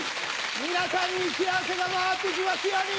皆さんに幸せが回って来ますように！